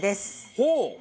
ほう！